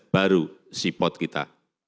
delapan belas baru seaport kita